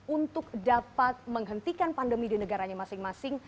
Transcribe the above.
untuk dapat menghentikan pandemi di negaranya masing masing